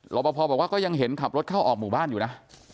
ปภบอกว่าก็ยังเห็นขับรถเข้าออกหมู่บ้านอยู่นะ